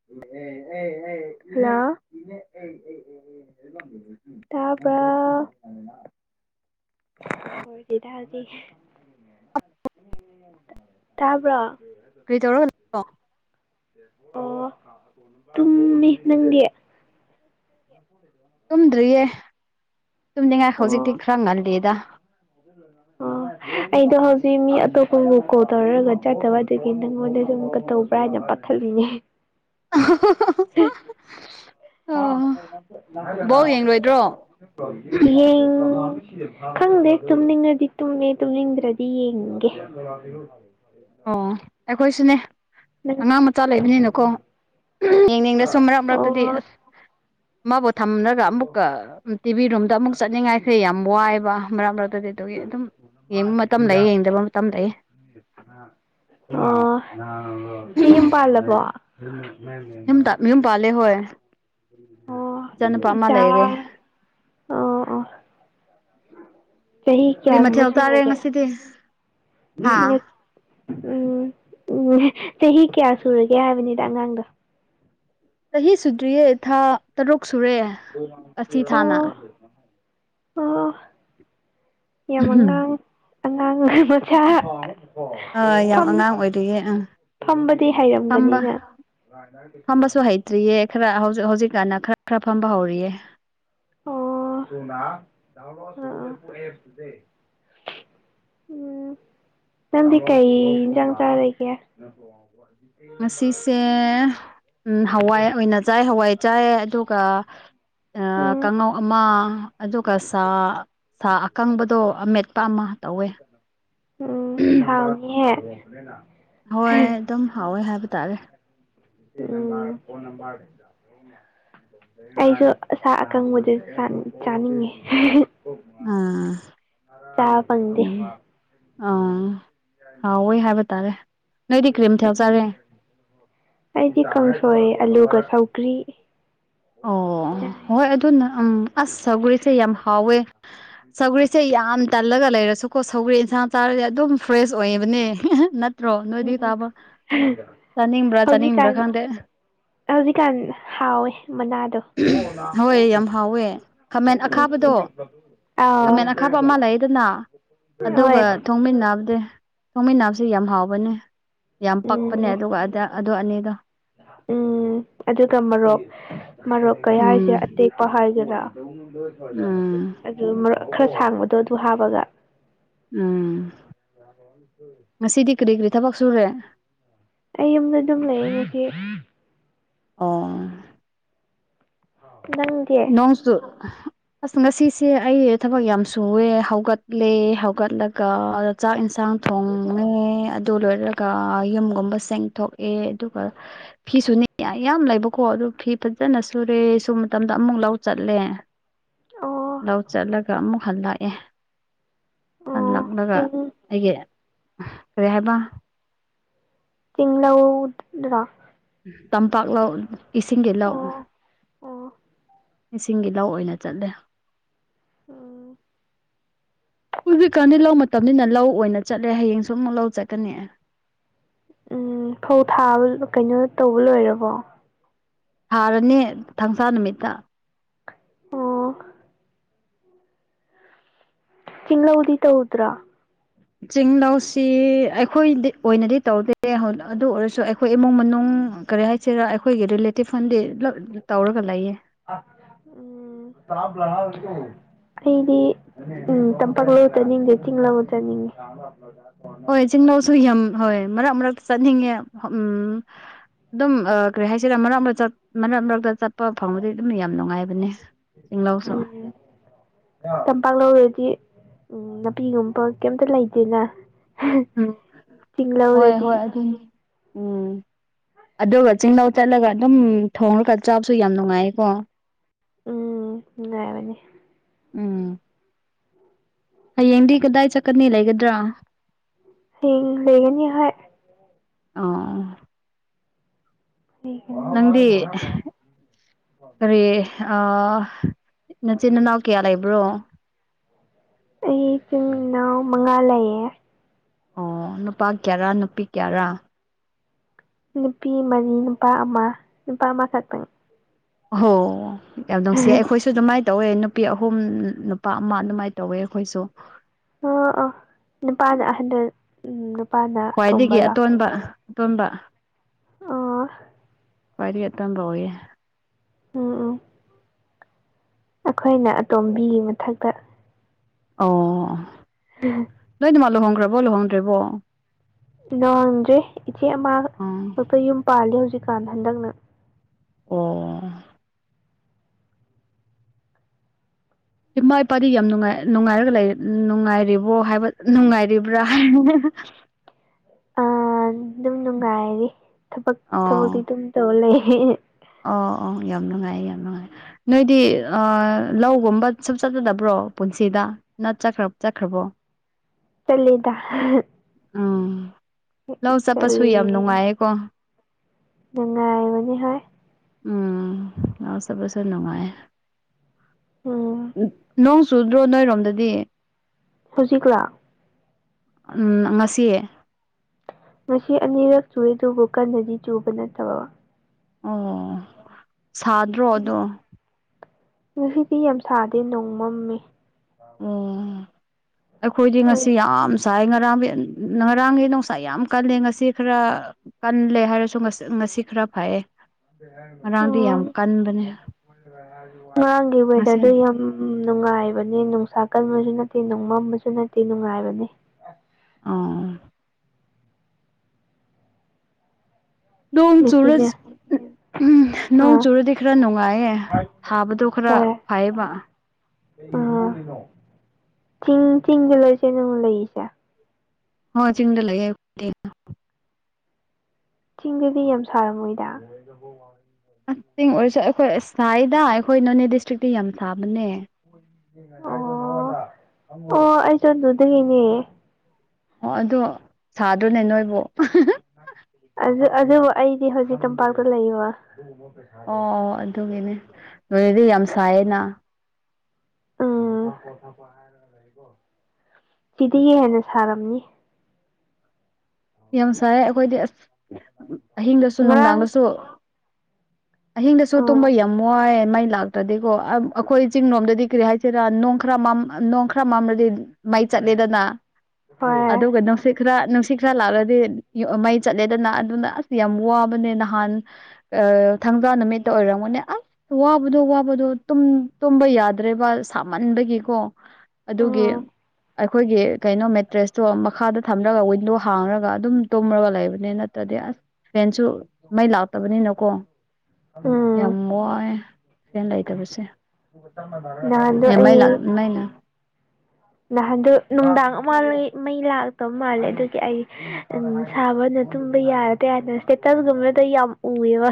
Hello ꯇꯥꯕ꯭ꯔꯣ [unintelligible] ꯇꯥꯁꯤ ꯇꯥꯕ꯭ꯔꯣ ꯀꯩ ꯇꯧꯔꯒ [unintelligible] ꯑꯣ ꯇꯨꯝꯃꯤ ꯅꯪꯗꯤ ꯇꯨꯝꯗ꯭ꯔꯤꯌꯦ ꯇꯨꯝꯅꯤꯡꯉꯥꯏ ꯍꯧꯖꯤꯛꯇꯤ ꯑꯣ ꯈꯔ ꯉꯜꯂꯤꯗ ꯑꯣ ꯑꯩꯗꯣ ꯍꯧꯖꯤꯛ ꯃꯤ ꯑꯇꯣꯞꯄꯕꯨ ꯀꯣꯜ ꯇꯧꯔꯒ ꯆꯠꯇꯕ ꯑꯗꯨꯗꯒꯤ ꯅꯪꯉꯣꯟꯗ ꯁꯨꯝ ꯀ ꯇꯧꯕ꯭ꯔꯥ ꯍꯥꯏꯅ ꯄꯥ ꯈꯜꯂꯤꯅꯦ [unintelligible] ꯑꯣ ꯕꯣꯜ ꯌꯦꯡꯂꯣꯏꯗ꯭ꯔꯣ [unintelligible] ꯌꯦꯡ ꯈꯪꯗꯦ ꯇꯨꯝꯅꯤꯡꯉꯗꯤ ꯇꯨꯝꯃꯦ ꯇꯨꯝꯅꯤꯡꯗ꯭ꯔꯗꯤ ꯌꯦꯡꯒꯦ ꯂꯗ [unintelligible] ꯑꯣ ꯑꯩꯈꯣꯏꯁꯨꯅꯦ ꯎꯝ ꯉ ꯃꯆꯥ ꯂꯩꯕꯅꯤꯅꯀꯣ ꯌꯦꯡꯅꯤꯡꯂꯁꯨ ꯃꯔꯛ ꯃꯔꯛꯇꯗꯤ ꯑꯣ ꯑꯁ ꯃꯥꯕꯨ ꯊꯝꯃꯅ ꯑꯃꯨꯛꯀ ꯇꯤꯚꯤ ꯔꯨꯝꯗ ꯑꯃꯨꯛ ꯆꯠꯅꯤꯡꯉꯥꯏꯁꯦ ꯌꯥꯝ ꯋꯥꯏꯕ ꯃꯔꯛ ꯃꯔꯛꯇꯗꯤ ꯑꯗꯨꯒꯤ ꯑꯗꯨꯝ ꯌꯦꯡꯕ ꯃꯇꯝꯂꯩꯌꯦ ꯌꯦꯡꯗꯕ ꯃꯇꯝꯗ ꯂꯩꯌꯦ ꯑꫭ ꯆꯦ ꯌꯨꯝ ꯄꯥꯜꯂꯕꫭ ꯌꯨꯝ ꯌꯨꯝ ꯄꯥꯜꯂꯦ ꯍꯣꯏ [unintelligible] ꯑꫭ ꯏꯆꯥꯅꯨꯄꯥ ꯑꯃ ꯏꯆꯥ ꯂꯩꯔꯦ ꯆꯍꯤ ꯀꯔꯤ ꯀꯌꯥꯒꯨꯝꯕ ꯃꯊꯦꯜ ꯆꯥꯔꯦ ꯁꯨꯔꯒꯦ ꯉꯁꯤꯗꯤ ꯍꯥ ꯎꯝ ꯎꯝ ꯎꯝ ꯆꯍꯤ ꯀꯌꯥ ꯁꯨꯔꯒꯦ ꯍꯥꯏꯕꯅꯤꯗ ꯑꯉꯥꯡꯗꯣ ꯆꯍꯤ ꯁꯨꯗ꯭ꯔꯤꯌꯦ ꯊꯥ ꯇꯔꯨꯛ ꯁꯨꯔꯦ ꯑꯁꯤ ꯊꯥꯅ ꯑꯣ ꯑꯣ ꯌꯥꯝ ꯑꯉꯥꯡ ꯑꯉꯥꯡ ꯑ [unintelligible] ꯌꯥꯝ ꯐꯝ ꯑꯉꯥꯡ ꯑꯣꯏꯔꯤꯌꯦ ꯑꯪ ꯐꯝꯕꯗꯤ ꯍꯩꯔꯝꯒꯅꯤꯅꯦ ꯁꯨ ꯍꯩꯇ꯭ꯔꯤꯌꯦ ꯈꯔ ꯍꯧꯖꯤꯛ ꯍꯧꯖꯤꯛꯀꯥꯟꯗ ꯈꯔ ꯈꯔ ꯐꯝꯕ ꯍꯧꯔꯤꯌꯦ ꯑꯣ ꯑ ꯑ ꯎꯝ ꯎꯝ ꯅꯪꯗꯤ ꯀꯩ ꯏꯟꯁꯥꯡ ꯆꯥꯔꯒꯦ [unintelligible] ꯉꯁꯤꯁꯦ ꯍꯋꯥꯏ ꯑꯣꯏꯅ ꯆꯥꯏ ꯍꯋꯥꯏ ꯆꯥꯏ ꯑꯗꯨꯒ ꯑ ꯎꯝ ꯀꯥꯡꯉꯧ ꯑꯃ ꯑꯗꯨꯒ ꯁꯥ ꯁꯥ ꯑꯀꯪꯕꯗꯣ ꯑꯃꯦꯠꯄ ꯑꯃ ꯇꯧꯋꯦ ꯎꯝ ꯁꯥ ꯍꯥꯎꯅꯤ ꯍꯦ ꯍꯣꯏ ꯑꯗꯨꯝ ꯍꯥꯎꯋꯦ ꯍꯥꯏꯕ ꯇꯥꯔꯦ ꯎꯝ ꯑꯩꯁꯨ ꯑꯁꯥ ꯑꯀꯪꯕꯗꯤ ꯆꯥꯅꯤꯡꯉꯦ ꯑꯥ ꯆꯥꯕ ꯐꯪꯗꯦ ꯑꫭ ꯍꯥꯎꯋꯤ ꯍꯥꯏꯕ ꯇꯥꯔꯦ ꯅꯣꯏꯗꯤ ꯀ꯭ꯔꯤ ꯃꯊꯦꯜ ꯆꯔꯦ ꯎꯝ ꯑꯩꯗꯤ ꯀꯥꯡꯁꯣꯏ ꯑꯂꯨꯒ ꯁꯧꯒ꯭ꯔꯤ ꯑꯣ ꯆꯥꯏ ꯍꯣꯏ ꯑꯗꯨꯅ ꯎꯝ ꯑꯁ ꯁꯧꯒ꯭ꯔꯤꯁꯦ ꯌꯥꯝ ꯍꯥꯎꯋꯦ ꯎꯝ [inaudible] ꯁꯧꯒ꯭ꯔꯤꯁꯦ ꯌꯥꯝ ꯇꯜꯂꯒ ꯂꯩꯔꯁꯨꯀꯣ ꯁꯧꯒ꯭ꯔꯤ ꯏꯟꯁꯥꯡ ꯆꯥꯔꯗꯤ ꯑꯗꯨꯝ ꯐ꯭ꯔꯦꯁ ꯑꯣꯏꯌꯦꯕꯅꯦ ꯅꯠꯇ꯭ꯔꯣ ꯅꯣꯏꯗꯤ ꯎꯝ ꯇꯥꯕ ꯆꯥꯅꯤꯡꯕ꯭ꯔꯥ ꯆꯥꯅꯤꯡꯕ꯭ꯔꯥ ꯍꯧꯖꯤꯛꯀꯥꯟ ꯈꯪꯗꯦ ꯍꯧꯖꯤꯛꯀꯥꯟ ꯍꯥꯎꯋꯦ ꯃꯅꯥꯗꯣ ꯍꯣꯏ ꯌꯥꯝ ꯍꯥꯎꯋꯦ ꯈꯥꯃꯦꯟ ꯑꯈꯥꯕꯗꯣ ꯎꯝ ꯑꯥꯎ ꯈꯥꯃꯦꯟ ꯑꯈꯥꯕ ꯑꯃ ꯂꯩꯗꯅ ꯍꯣꯏ ꯑꯗꯨꯒ ꯊꯣꯡꯃꯤꯟꯅꯕꯗꯤ ꯊꯣꯡꯃꯤꯟꯅꯕꯁꯦ ꯌꯥꯝ ꯍꯥꯎꯕꯅꯦ ꯌꯥꯝ ꯄꯛꯄꯅꯦ ꯎꯝ ꯑꯗꯨꯒ ꯑ ꯑꯗꯨ ꯑꯅꯤꯗꯣ ꯎꯝ ꯑꯗꯨꯒ ꯃꯔꯣꯛ ꯃꯔꯣꯛ ꯀꯩ ꯍꯥꯏꯁꯦ ꯎꯝ ꯑꯇꯦꯛ ꯍꯥꯏꯒꯦꯔꯥ ꯎꯝ ꯑꯗꯨ ꯃꯔꯛ ꯈꯔ ꯁꯥꯡꯕꯗꯣ ꯑꯗꯨ ꯍꯥꯞꯄꯒ ꯎꯝ ꯉꯁꯤꯗꯤ ꯀꯔꯤ ꯀꯔꯤ ꯊꯕꯛ ꯁꯨꯔꯦ ꯑꯩ ꯌꯨꯝꯗ ꯑꯗꯨꯝ ꯂꯩꯌꯦ ꯍꯧꯖꯤꯛ ꯑꯣ ꯅꯪ ꯅꯣꯡꯁꯨ ꯑꯁ ꯉꯁꯤꯁꯦ ꯑꯩ ꯊꯕꯛ ꯌꯥꯝ ꯁꯨꯑꯦ ꯍꯧꯒꯠꯂꯦ ꯍꯧꯒꯠꯂꯒ ꯑ ꯆꯥꯛ ꯌꯦꯟꯁꯥꯡ ꯊꯣꯡ ꯂꯩꯁ [inaudible] ꯑꯗꯨ ꯂꯣꯏꯔꯒ ꯌꯨꯝꯒꯨꯝ ꯆꯦꯡꯊꯣꯛꯑꯦ ꯑꯗꯨꯒ ꯐꯤ ꯌꯥꯝ ꯂꯩꯕꯀꯣ ꯑꯗꯨ ꯐꯤ ꯐꯖꯅ ꯁꯨꯔꯦ ꯁꯨꯕ ꯃꯇꯝꯗ ꯑꯃꯨꯛ ꯂꯧ ꯆꯠꯂꯦ ꯑꯣ ꯂꯧ ꯆꯠꯂꯒ ꯑꯃꯨꯛ ꯍꯜꯂꯛꯑꯦ ꯑꯣ ꯍꯜꯂꯛꯂꯒ ꯆꯤꯡ ꯑꯩꯒꯤ ꯀꯔꯤ ꯍꯥꯏꯕ ꯆꯤꯡꯂꯧꯗ꯭ꯔ ꯇꯝꯄꯥꯛ ꯂꯥꯎ ꯏꯁꯤꯡꯒꯤ ꯂꯥꯎ ꯑꯣ ꯑꯣ ꯏꯁꯤꯡꯒꯤ ꯂꯧ ꯑꯣꯏꯅ ꯆꯠꯂꯦ ꯎꯝ ꯍꯧꯖꯤꯛ ꯀꯥꯟꯗꯤ ꯂꯧ ꯃꯇꯝ ꯇꯝꯅꯤꯅ ꯂꯧ ꯑꯣꯏꯅ ꯆꯠꯂꯦ ꯍꯌꯦꯡꯁꯨ ꯑꯃꯨꯛ ꯂꯧ ꯆꯠꯀꯅꯤ ꯎꯝ ꯐꯧ ꯊꯥꯕ ꯀꯩꯅꯣ ꯇꯧꯕ ꯂꯣꯏꯔꯕꯣ ꯊꯥꯔꯅꯦ ꯊꯥꯡꯁꯥ ꯅꯨꯃꯤꯠꯇ ꯑꯥ ꯆꯤꯡꯂꯧꯗꯤ ꯇꯧꯗ꯭ꯔꯥ ꯆꯤꯡ ꯂꯧꯁꯤ ꯑꯩꯈꯣꯏꯗꯤ ꯑꯣꯏꯅꯗꯤ ꯇꯧꯗꯦ ꯑꯗꯨ ꯑꯣꯏꯔꯁꯨ ꯑꯩꯈꯣꯏ ꯏꯃꯨꯡ ꯃꯅꯨꯡ ꯀꯔꯤ ꯍꯥꯏꯁꯤꯔ ꯑꯩꯈꯣꯏꯒꯤ ꯔꯤꯂꯦꯇꯤꯞ ꯐꯗꯤ ꯇꯧꯔꯒ ꯂꯩꯌꯦ ꯎꯝ ꯑꯩꯗꯤ ꯎꯝ ꯇꯝꯄꯥꯛꯂ ꯆꯠꯅꯤꯡꯉꯦ ꯆꯤꯡꯂ ꯆꯠꯅꯤꯡꯉꯦ ꯍꯣꯏ ꯆꯤꯡꯂꯧꯁꯨ ꯌꯥꯝ ꯍꯣꯏ ꯃꯔꯛ ꯃꯔꯛ ꯆꯠꯅꯤꯡꯉꯦ ꯎꯝ ꯑꯗꯨꯝ ꯀꯔꯤ ꯍꯥꯏꯁꯤꯔꯥ ꯃꯔꯛ ꯃꯔꯛ ꯃꯔꯛ ꯃꯔꯛꯇ ꯆꯠ ꯑꯐ ꯐꯪꯕꯗꯩ ꯑꯗꯨꯝ ꯌꯥꯝ ꯅꯨꯡꯉꯥꯏꯕꯅꯦ ꯆꯤꯡꯂꯧꯁꯨ ꯎꯝ ꯇꯝꯄꯥꯛ ꯂꯧꯔꯗꯤ ꯎꯝ ꯅꯥꯄꯤꯒꯨꯝꯕ ꯀꯩꯝꯇ ꯂꯩꯇꯦꯅ ꯆꯒ꯭ꯂ ꯑꯣꯗꯗꯤ ꯑꯗꯨ ꯎꯝ ꯑꯗꯨꯒ ꯆꯤꯡꯂꯧ ꯆꯠꯂꯒ ꯑꯗꯨꯝ ꯊꯣꯡꯉꯒ ꯆꯥꯕꯁꯨ ꯌꯥꯝ ꯅꯨꯡꯉꯥꯏꯌꯦꯀꯣ ꯎꯝ ꯌꯥꯅꯨꯡꯉꯏꯥꯏꯕꯅꯤ ꯎꯝ ꯍꯌꯦꯡꯗꯤ ꯀꯗꯥꯏ ꯆꯠꯀꯅꯤ ꯂꯩꯒꯗ꯭ꯔꯥ ꯇ ꯕꯤꯔꯒꯅꯤ ꯍ ꯑꯥ ꯂꯩꯒꯅꯤ꯫ ꯅꯪꯗꯤ ꯀꯔꯤ ꯑ ꯅꯆꯤꯟ ꯅꯅꯥꯎ ꯀꯌꯥ ꯂꯩꯕ꯭ꯔꯣ ꯑꯩ ꯏꯤꯟ ꯏꯅꯥꯎ ꯃꯉꯥ ꯂꯩꯌꯦ ꯑꯣ ꯅꯨꯄꯥ ꯀꯌꯥꯔꯥ ꯅꯨꯄꯤ ꯀꯌꯥꯔꯥ ꯅꯨꯄꯤ ꯃꯔꯤ ꯅꯨꯄꯥ ꯑꯃ ꯅꯨꯄꯥ ꯑꯃ ꯈꯛꯇꯪ ꯍ ꯑꯦꯎꯗꯣꯡꯁꯤ ꯑꯩꯈꯣꯏ ꯁꯨ ꯑꯗꯨꯃꯥꯏꯅ ꯇꯧꯋꯦ ꯅꯨꯄꯤ ꯑꯍꯨꯝ ꯅꯨꯄꯥ ꯑꯃ ꯑꯗꯨꯃꯥꯏꯅ ꯇꯧꯋꯦ ꯑꯩꯈꯣꯏꯁꯨ ꯑ ꯑꯥ ꯅꯨꯄꯥꯗ ꯑꯍꯟꯗ ꯎꯝ ꯅꯨꯄꯥꯅ ꯈ꯭ꯋꯥꯏꯗꯒꯤ ꯑꯇꯣꯝꯕꯔꯣ ꯑꯇꯣꯟꯕ ꯑꯇꯣꯟꯕ ꯑꯥ ꯄꯔꯤ ꯌꯦꯇꯥꯟ ꯇꯣꯑꯦ ꯎꯝ ꯎꯥ ꯑꯩꯈꯣꯏꯅ ꯑꯇꯣꯝꯕꯤꯒꯤ ꯃꯊꯛꯇ ꯑꯣ ꯎꯝ ꯅꯣꯏ ꯅꯃ ꯂꯨꯍꯣꯡꯈ꯭ꯔꯕꯣ ꯂꯨꯍꯣꯡꯗ꯭ꯔꯔꯤꯕꯣ ꯉꯥꯡꯗ꯭ꯔꯦ ꯏꯆꯦ ꯑꯃ ꯑꯥ ꯈꯛꯇ ꯌꯨꯝ ꯄꯥꯂ ꯍꯧꯖꯤꯛꯀꯥꯟ ꯍꯟꯗꯛꯅ ꯑꯣ ꯏꯃꯥ ꯏꯄꯥꯗꯤ ꯌꯥꯝ ꯅꯨꯡꯉꯥꯏ ꯅꯨꯡꯉꯥꯏꯔꯒ ꯂꯩ ꯅꯨꯡꯉꯥꯏꯔꯤꯕꯣ ꯍꯥꯏꯕ ꯅꯨꯡꯉꯥꯏꯔꯤꯕ꯭ꯔꯥ ꯑꯥ ꯑꯗꯨꯝ ꯅꯨꯡꯉꯥꯏꯔ ꯊꯕꯛ ꯑꯣ ꯊꯕꯛꯇꯤ ꯑꯗꯨꯝ ꯇꯧ ꯂꯩꯦ ꯑꯣ ꯑꯣ ꯌꯥꯝ ꯅꯨꯡꯉꯥꯏ ꯌꯥꯝ ꯅꯨꯡꯉꯥꯏ ꯅꯣꯏꯗꯤ ꯑ ꯂꯧꯒꯨꯝꯕ ꯁꯨꯞ ꯆꯠꯆꯗꯕ꯭ꯔꯣ ꯄꯨꯟꯁꯤꯗ ꯅꯠ ꯆꯠꯈ꯭ꯔ ꯆꯠꯈ꯭ꯔꯕꯣ ꯆꯂꯗ ꯑꯥ ꯂꯧ ꯆꯠꯄꯁꯨ ꯆꯠꯂꯤ ꯌꯥꯝ ꯅꯨꯡꯉꯥꯏꯌꯦꯀꯣ ꯅꯨꯡꯉꯥꯏꯕꯅꯤ ꯍꯣꯏ ꯎꯝ ꯁꯁ ꯅꯨꯡꯉꯥꯏ ꯎꯝ ꯆꯨꯗ꯭ꯔꯣ ꯅꯣꯏꯔꯣꯝꯗꯗꯤ ꯍꯧꯖꯤꯛꯂꯥ ꯉꯁꯤ ꯉꯁꯤ ꯑꯅꯤꯔꯛ ꯆꯨꯏꯦ ꯑꯗꯨꯕꯨ ꯀꯟꯅꯗꯤ ꯆꯨꯕ ꯅꯠꯇꯕ ꯑꯣ ꯁꯥꯗ꯭ꯔꯣ ꯑꯗꯣ ꯉꯁꯤꯗꯤ ꯌꯥꯝꯁꯥꯗꯤꯦ ꯅꯣꯡꯃꯝꯃꯤ ꯑꯣ ꯑꯩꯈꯣꯏꯗꯤ ꯉꯁꯤ ꯅꯣꯏꯗꯤ ꯌꯥꯝ ꯅꯨꯡꯁꯥ ꯉꯔꯥꯡꯒꯤ ꯉꯔꯥꯡꯒꯤ ꯅꯨꯡꯁꯥ ꯌꯥꯝ ꯀꯜꯂꯦ ꯉꯁꯤ ꯈꯔ ꯀꯜꯂꯦ ꯍꯥꯏꯔꯁꯨ ꯉꯁꯤ ꯉꯁꯤ ꯈꯔ ꯐꯌꯦ ꯉꯔꯥꯡꯗꯤ ꯌꯥꯝ ꯀꯟꯕꯅꯦ ꯃꯥ ꯏ ꯑꯣꯏꯣꯏꯗ ꯉꯁꯤ ꯑꯗꯨ ꯌꯥꯝ ꯎꯝ ꯅꯨꯡꯉꯥꯏꯕꯅꯦ ꯅꯨꯡꯁꯥ ꯀꯟꯕꯁꯨ ꯅꯠꯇꯦ ꯅꯨꯡ ꯃꯝꯕꯁꯨ ꯅꯠꯇꯦ ꯅꯨꯡꯉꯥꯏꯕꯅꯤ ꯑꯥ ꯗꯣꯝ ꯉꯁꯤꯅꯦ ꯆꯨꯨꯔꯁ ꯎꯝ ꯅꯣꯡ ꯑꯥ ꯆꯨꯔꯗꯤ ꯈꯔ ꯅꯨꯡꯉꯥꯏꯌꯦ ꯊꯥꯕꯗꯣ ꯈꯔ ꯐꯩꯕ ꯑ ꯆꯤꯡ ꯆꯤꯡꯒꯤ ꯂꯩꯁꯦꯅ ꯑꯃꯨꯛ ꯂꯩꯔꯤꯁꯦ ꯍꯣꯏ ꯆꯤꯡꯗ ꯂꯒ ꯌꯥ ꯆꯤꯡꯗꯨꯗꯤ ꯌꯥꯝ ꯁꯥꯔꯝꯃꯣꯏꯗ ꯍꯣ ꯋꯥ ꯑꯦꯡ ꯑꯣꯏꯔꯁꯨ ꯑꯩꯈꯣꯏ ꯁ꯭ꯋꯥꯥꯏꯗ ꯑꯩꯈꯣꯏ ꯅꯣꯅꯦ ꯗꯤꯁꯇ꯭ꯔꯤꯛꯇ ꯌꯥꯝ ꯁꯥꯕꯅꯦ ꯑꯣ ꯑꯣ ꯑꯩ ꯆꯣꯟ ꯑꯗꯨꯗꯒꯤꯅꯦ ꯑꯣ ꯑꯗꯨꯗ ꯁꯥꯗ꯭ꯔꯅꯦ ꯅꯣꯏꯕꯨ ꯑꯗꯨ ꯑꯗꯨꯕꯨ ꯑꯩꯗꯤ ꯍꯧꯖꯤꯛ ꯇꯝꯄꯥꯛꯇ ꯂꯩꯕ ꯑꯣ ꯑꯣ ꯑꯗꯨꯒꯤꯅꯦ ꯅꯣꯏꯗꯤ ꯌꯥꯝ ꯁꯥꯏꯌꯦꯅ ꯁꯤꯤꯗꯤꯒ ꯍꯦꯟꯅ ꯁꯥꯔꯝꯅꯤ ꯌꯥꯝ ꯁꯔꯦ ꯑꯩꯈꯣꯏꯗꯤ ꯑꯁ ꯑꯍꯤꯡꯗꯁꯨ ꯅꯨꯡꯗꯥꯡꯗꯁꯨ ꯎꯝ ꯑꯍꯤꯡꯗꯁꯨ ꯇꯨꯝꯕ ꯌꯥꯝ ꯋꯥꯏꯦ ꯃꯩ ꯂꯥꯛꯇ꯭ꯔꯗꯤꯀꯣ ꯑꯩꯈꯣꯏ ꯆꯤꯡꯔꯣꯝꯗꯗꯤ ꯀꯔꯤ ꯍꯥꯏꯁꯤꯔꯥ ꯈꯔ ꯅꯣꯡ ꯈꯔ ꯃꯥꯝꯂꯗꯤ ꯃꯥꯏ ꯆꯠꯂꯦꯗꯅ ꯍꯣꯏ ꯑꯗꯨꯒ ꯅꯨꯡꯁꯤꯠ ꯈꯔ ꯅꯨꯡꯁꯤꯠ ꯈꯔ ꯂꯥꯛꯂꯗꯤ ꯃꯩ ꯆꯠꯂꯦꯗꯅ ꯑꯗꯨꯅ ꯑꯁ ꯌꯥꯝ ꯋꯥꯕꯅꯦ ꯅꯍꯥꯟ ꯊꯥꯡꯖꯥ ꯅꯨꯃꯤꯠꯇ ꯑꯣꯏꯔꯝꯃꯨꯅꯦ ꯑꯁ ꯋꯥꯕꯗꯣ ꯋꯥꯕꯗꯣ ꯇꯨꯝꯕ ꯌꯥꯗ꯭ꯔꯦꯕ ꯁꯥꯃꯟꯕꯒꯤꯀꯣ ꯑꯗꯨꯒꯤ ꯎꯝ ꯑꯩꯈꯣꯏꯒꯤ ꯀꯩꯅꯣ ꯃꯦꯇ꯭ꯔꯦꯁꯇꯣ ꯃꯈꯥꯗ ꯊꯝꯂꯒ ꯋꯤꯟꯗꯣ ꯈꯔꯒ ꯑꯗꯨꯝ ꯇꯨꯝꯃꯒ ꯂꯩꯕꯅꯤ ꯅꯠꯇ꯭ꯔꯗꯤ ꯑꯁ ꯐꯦꯟꯁꯨ ꯃꯩ ꯂꯥꯛꯇꯕꯅꯤꯅꯀꯣ ꯎꯝ ꯌꯥꯝ ꯋꯥꯑꯦ ꯍꯦꯟ ꯂꯩꯇꯕꯁꯦ ꯅ ꯑꯗꯨ ꯑꯩ ꯅꯅꯦ ꯅꯍꯟꯗ ꯅꯨꯡꯗꯥꯡ ꯑꯃ ꯂꯣꯏ ꯃꯩ ꯂꯥꯛꯇꯕ ꯃꯥꯜꯂꯦ ꯑꯗꯨꯒꯤ ꯑꯩ ꯎꯝ ꯁꯥꯕꯅ ꯇꯨꯝꯕ ꯌꯥꯔ ꯇꯦꯅ ꯏꯁꯇꯦꯇꯁꯒꯨꯝꯕꯗ ꯌꯥꯝ ꯎꯑꯦꯕ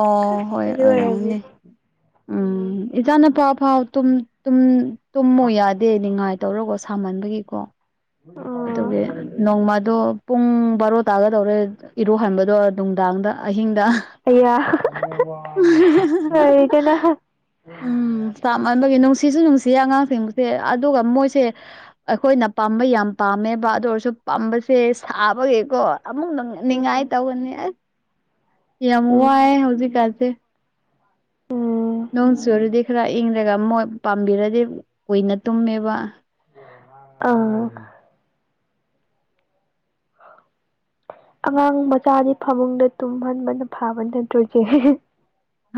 ꯑꯣ ꯍꯣꯏꯔꯥꯎꯅꯤ ꯎꯝ ꯏꯆꯥꯅ ꯄꯥꯎ ꯐꯥꯎ ꯇꯨꯝꯃꯨ ꯌꯥꯗꯦ ꯅꯤꯡꯉꯥꯏ ꯇꯧꯔꯒꯣ ꯁꯥꯃꯟꯕꯒꯤꯀꯣ ꯑꯗꯨꯒꯤ ꯎꯝ ꯅꯣꯡꯃꯗꯣ ꯄꯨꯡ ꯕꯥꯔꯣ ꯇꯥꯒ ꯇꯧꯔꯦ ꯏꯔꯨꯍꯟꯕꯗꯣ ꯅꯨꯡꯗꯥꯡꯗ ꯑꯍꯤꯡꯗ ꯑꯌꯥꯗꯅ ꯎꯝ ꯆꯞ ꯃꯅꯕꯒꯤ ꯅꯨꯡꯁꯤꯁꯨ ꯅꯨꯡꯁꯤꯌꯦ ꯑꯉꯥꯡꯁꯤꯡꯁꯦ ꯑꯗꯨꯒ ꯃꯣꯏꯁꯦ ꯑꯩꯈꯣꯏꯅ ꯄꯥꯝꯕ ꯌꯥꯝ ꯄꯥꯝꯃꯦꯕ ꯑꯗꯨ ꯑꯣꯏꯔꯁꯨ ꯄꯥꯝꯕꯁꯦ ꯁꯥꯕꯒꯤꯀꯣ ꯑꯃꯨꯛ ꯅꯤꯡꯉꯥꯏ ꯎꯝ ꯇꯧꯕꯅꯤ ꯑꯁ ꯌꯥꯝ ꯎꯝ ꯋꯥꯏꯑꯦ ꯍꯧꯖꯤꯛꯀꯥꯟꯁꯦ꯫ ꯎꯝ ꯅꯣꯡ ꯆꯨꯔꯗꯤ ꯈꯔ ꯏꯪꯪꯂꯒ ꯃꯣꯏ ꯄꯥꯝꯕꯤꯔꯗꯤ ꯀꯨꯏꯅ ꯇꯨꯝꯃꯦꯕ ꯑꯥ ꯑꯉꯥꯡ ꯃꯆꯥꯗꯤ ꯐꯃꯨꯡꯗ ꯇꯨꯝꯍꯟꯕꯅ ꯐꯕ ꯅꯠꯇ꯭ꯔꯣꯏꯁꯦ꯫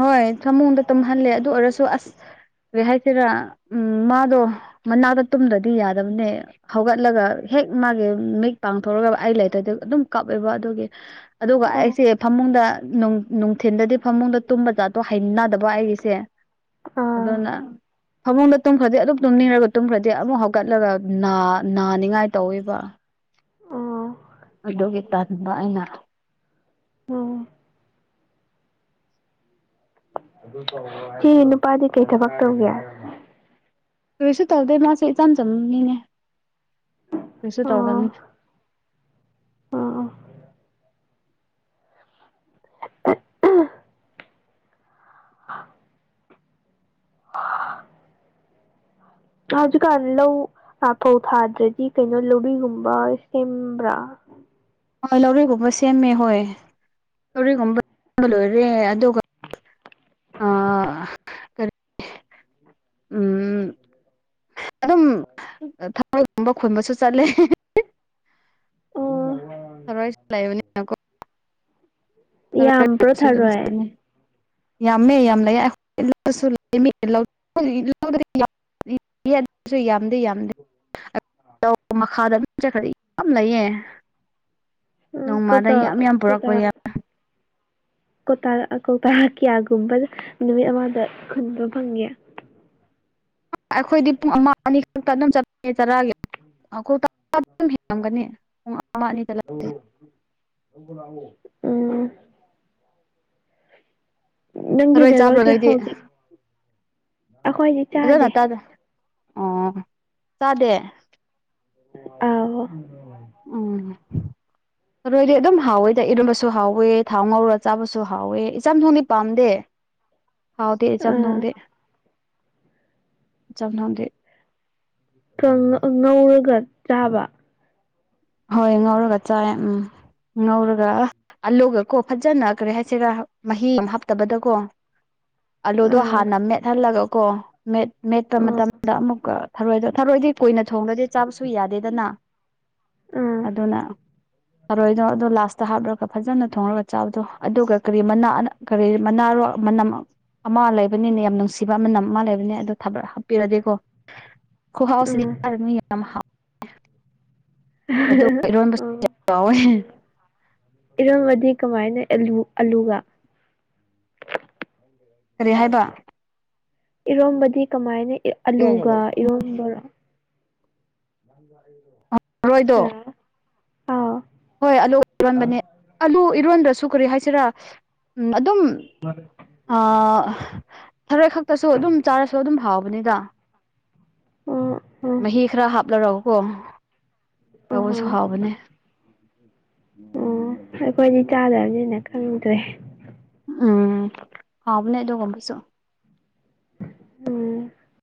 ꯍꯣꯏ ꯊꯃꯨꯡꯗ ꯇꯨꯝꯍꯜꯂꯦ ꯑꯗꯨ ꯑꯣꯏꯔꯁꯨ ꯑꯁ ꯦ ꯍꯥꯏꯁꯤꯔꯥ ꯎꯝ ꯃꯥꯗꯣ ꯃꯅꯥꯛꯇ ꯇꯨꯝꯗ꯭ꯔꯗꯤ ꯌꯥꯗꯕꯅꯦ꯫ ꯍꯧꯒꯠꯂꯒ ꯍꯦꯛ ꯃꯥꯒꯤ ꯃꯤꯠ ꯄꯥꯡꯊꯣꯛꯂꯒ ꯑꯩ ꯂꯩꯇꯗ ꯑꯗꯨꯝ ꯀꯥꯞꯑꯦꯕ ꯑꯗꯨꯒꯤ ꯑꯗꯨꯒ ꯎꯝ ꯑꯩꯁꯦ ꯐꯃꯨꯡꯗ ꯅꯨꯡꯊꯤꯟꯗꯗꯤ ꯐꯃꯨꯡꯗ ꯇꯨꯝꯕ ꯆꯥꯠꯇꯣ ꯍꯅꯗꯕ ꯑꯩꯒꯤꯁꯦ ꯑꯥ ꯑꯗꯨꯅ ꯐꯃꯨꯡꯗ ꯇꯨꯝꯈ꯭ꯔꯗꯤ ꯑꯗꯨꯛ ꯇꯨꯝꯅꯤꯡꯔꯒ ꯇꯨꯝꯈ꯭ꯔꯗꯤ ꯑꯃꯨꯛ ꯍꯧꯒꯠꯂꯒ ꯅꯥꯅꯤꯡꯉꯥꯏ ꯇꯧꯋꯕ ꯎꯝ ꯑꯗꯨꯒꯤ ꯇꯟꯥꯟꯕ ꯑꯩꯅ ꯎꯝ ꯑꯗꯨ ꯇ ꯁꯤ ꯅꯨꯄꯥꯗꯤ ꯀꯩ ꯊꯕꯛ ꯇꯧꯒꯦ꯫ ꯔꯏꯁꯁꯨ ꯇꯧꯗꯩ ꯃꯥꯁꯦ ꯆꯥꯖ ꯃꯤꯅꯦ ꯔꯏꯁꯁꯨ ꯑꯣ ꯇꯧꯗꯅꯤ꯫ ꯑꯣ ꯍꯧꯖꯤꯛꯀꯥꯟ ꯂꯧ ꯐꯧ ꯊꯥꯗ꯭ꯔꯗꯤ ꯀꯩꯅꯣ ꯂꯕꯤꯒꯨꯝꯕ ꯁꯦꯝꯕ꯭ꯔꯥ ꯍꯣꯏ ꯂꯧꯔꯤꯒꯨꯝꯕ ꯁꯦꯝꯃꯦ ꯍꯣꯏ ꯂꯧꯔꯤꯒꯨꯝꯕ ꯂꯣꯏꯔꯦ ꯑꯗꯨꯒ ꯑ ꯀꯔꯤ ꯎꯝ ꯑꯗꯣ [inaudible] ꯊꯃꯣꯏꯒꯨꯝꯕ ꯈꯣꯏꯕꯁꯨ ꯆꯠꯂꯦ꯫ ꯑꯣ ꯁꯔꯣꯏ ꯆ ꯂꯥꯏꯕꯣ ꯌꯥꯝꯕ꯭ꯔꯣ ꯁꯨ ꯑꯗꯨꯝ ꯊꯔꯣꯏ ꯆꯠꯉ ꯌꯥꯝꯃꯦ ꯌꯥꯝ ꯂꯩ ꯑꯩꯈꯣꯏꯁꯨ ꯌꯦꯁꯨ ꯌꯥꯝꯗꯤꯦ ꯌꯥꯝꯗꯦ꯫ ꯃꯈꯥꯗ ꯑꯗꯨ ꯆꯠꯈ꯭ꯔ ꯌꯥꯝ ꯂꯩꯌꯦ꯫ ꯎꯝ ꯅꯣꯡꯃꯥꯗ ꯀꯧꯇꯥ ꯌꯥꯝ ꯌꯥꯝ ꯄꯨꯔꯛꯄ ꯌꯥꯏ꯫ ꯇꯥ ꯀꯧꯇꯥꯔ ꯀꯌꯥꯒꯨꯝꯕ ꯅꯨꯃꯤꯠ ꯑꯃꯗ ꯈꯨꯟꯕ ꯐꯪꯉꯦ꯫ ꯑꯩꯈꯣꯏꯗꯤ ꯄꯨꯡ ꯑꯃ ꯑꯅꯤ ꯈꯛꯇ ꯑꯗꯨꯝ ꯆꯠꯄꯦ ꯆꯔꯥꯒ ꯑꯩꯈꯣꯏ ꯑꯗꯨ ꯍꯦꯟꯉꯝꯒꯅꯤ ꯄꯨꯡꯅꯤ [inaudible] ꯅꯪꯒꯤ ꯊꯔꯣꯏ ꯅꯔ ꯆꯥꯕ꯭ꯔꯣ ꯋꯥꯁꯤꯦ ꯅꯣꯏꯗꯤ ꯍꯧꯥꯎꯖꯤꯛ ꯑꯩꯈꯣꯏꯗꯤ ꯆꯥꯗꯦ꯫ ꯑꯣ ꯆꯥꯗꯦ꯫ ꯑ ꯎꯝ ꯑꯣꯏꯗꯤ ꯑꯗꯨꯝ ꯍꯥꯎꯋꯦꯗ ꯏꯔꯝꯕꯁꯨ ꯍꯥꯎꯋꯦ ꯊꯥꯎ ꯉꯧꯔ ꯆꯥꯕꯁꯨ ꯍꯥꯎꯋꯦ ꯏꯆꯝ ꯊꯣꯡꯗꯤ ꯄꯥꯝꯗꯦ꯫ [inaudible] ꯍꯥꯎꯗꯖꯝ ꯅꯣꯡꯗꯦ ꯑꯥ ꯆꯝ ꯅꯗꯦ꯫ ꯉꯧꯔꯒ ꯆꯥꯕ ꯍꯣꯏ ꯉꯧꯔꯒ ꯆꯥꯏ ꯎꯝ ꯉꯧꯔꯒ ꯑꯜꯂꯨꯒ ꯀꯣ ꯐꯖꯅ ꯀꯔꯤ ꯍꯥꯏꯁꯤꯔ ꯃꯍꯤ ꯍꯥꯞꯇꯕꯗꯀꯣ ꯑꯂꯨꯗꯣ ꯑꯥ ꯍꯥꯟꯅ ꯃꯦꯠꯍꯜꯂꯒ ꯀꯣ ꯃꯦꯠꯄ ꯑꯥ ꯃꯇꯝꯗ ꯑꯃꯨꯛꯀ ꯊꯔꯣꯏꯗ ꯊꯔꯣꯏꯗꯤ ꯀꯨꯏꯅ ꯊꯣꯡꯂꯗꯤ ꯆꯥꯕꯁꯨ ꯌꯥꯗꯦꯗꯅ ꯑꯥ ꯑꯗꯨꯅ ꯇꯔꯣꯏꯗꯣ ꯑꯗꯣ ꯂꯥꯁ ꯍꯥꯞꯂꯒ ꯐꯖꯅ ꯊꯣꯡꯉꯒ ꯆꯥꯕꯗꯣ ꯑꯗꯨꯒ ꯀꯔꯤ ꯀꯔꯤ ꯃꯅꯥꯔꯣ ꯃꯅꯝ ꯑꯃ ꯂꯩꯕꯅꯤꯅ ꯌꯥꯝ ꯅꯨꯡꯁꯤꯕ ꯑꯃꯅ ꯑꯃ ꯂꯩꯕꯅꯤ ꯑꯗꯣ ꯊ ꯍꯥꯞꯄꯤꯔꯗꯤꯀꯣ ꯑꯥ ꯌꯥꯝ ꯑꯗꯨ ꯏꯔꯣꯟꯕꯁꯨ ꯌꯥꯝ ꯆꯥꯎꯋꯦ꯫ ꯏꯔꯝꯃꯗꯤ ꯀꯃꯥꯏꯅ ꯑꯂ ꯑꯂꯨꯒ ꯀꯔꯤ ꯍꯥꯏꯕ ꯏꯔꯣꯝꯕꯗꯤ ꯀꯃꯥꯏꯅ ꯑꯂꯨꯒ ꯏꯔꯣꯝꯕꯔꯣ ꯍꯗ ꯑꯩꯗꯣ ꯃꯔꯣꯏꯗꯣ ꯍꯣꯏ ꯑꯂꯨ ꯏꯔꯣꯟꯕꯅꯦ ꯑꯂꯨ ꯏꯔꯣꯟꯗ꯭ꯔꯁꯨ ꯀꯔꯤ ꯍꯥꯏꯁꯤꯔꯥ ꯑꯗꯨꯝ ꯊꯔꯦꯣꯏ ꯈꯛꯇꯁꯨ ꯑꯗꯨꯝ ꯆꯥꯔꯁꯨ ꯑꯗꯨꯝ ꯍꯥꯎꯕꯅꯤꯗ ꯑꯥ ꯃꯍꯤ ꯈꯔ ꯍꯥꯞꯂꯔꯎꯀꯣ ꯑꯥ ꯑꯣ ꯑꯩꯈꯣꯏꯗꯤ ꯆꯥꯗꯕꯅꯤꯅ ꯈꯪꯗ꯭ꯔꯦ ꯎꯝ ꯍꯥꯎꯕꯅꯦ ꯑꯩꯣꯒꯝ ꯄꯥꯏꯁꯣ ꯎꯝ